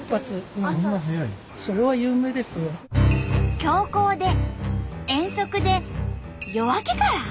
強行で遠足で夜明けから？